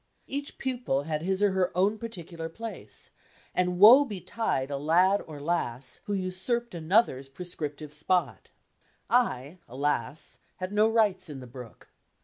Each pupil had his or her own panicular place, and woe betide a lad or lass who usurped another's prescrip D,i„Mb, Google tive spot. I, alas, had no rights in the brook.